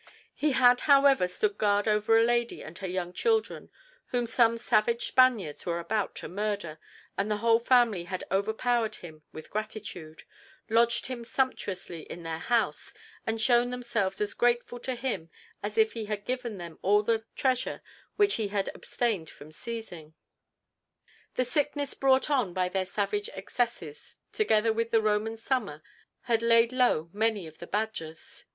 He had, however, stood guard over a lady and her young children whom some savage Spaniards were about to murder, and the whole family had overpowered him with gratitude, lodged him sumptuously in their house, and shown themselves as grateful to him as if he had given them all the treasure which he had abstained from seizing. The sickness brought on by their savage excesses together with the Roman summer had laid low many of the Badgers.